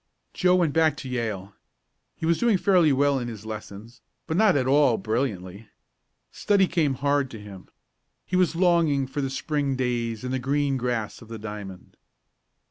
Joe went back to Yale. He was doing fairly well in his lessons, but not at all brilliantly. Study came hard to him. He was longing for the Spring days and the green grass of the diamond.